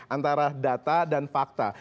antara data dan fakta